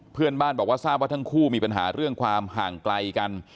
เพื่อนบ้านบอกว่าทราบว่าทั้งคู่มีปัญหาเรื่องความห่างไกลกัน